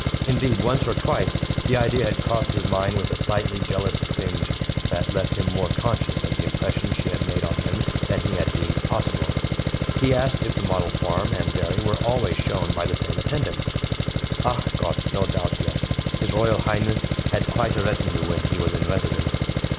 Indeed, once or twice the idea had crossed his mind with a slightly jealous twinge that left him more conscious of the impression she had made on him than he had deemed possible. He asked if the model farm and dairy were always shown by the same attendants. "ACH GOTT! no doubt, yes; His Royal Highness had quite a retinue when he was in residence."